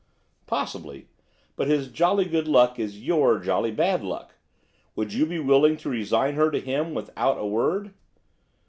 'Possibly, but his jolly good luck is your jolly bad luck. Would you be willing to resign her to him without a word?